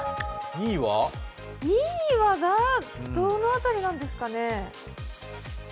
２位は、どの辺りなんですかね。